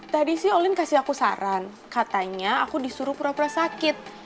tadi sih olin kasih aku saran katanya aku disuruh pura pura sakit